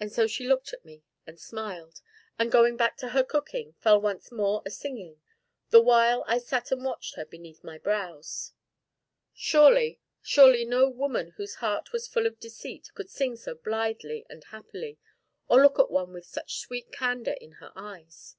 And so she looked at me and smiled, and, going back to her cooking, fell once more a singing, the while I sat and watched her beneath my brows. Surely, surely no woman whose heart was full of deceit could sing so blithely and happily, or look at one with such sweet candor in her eyes?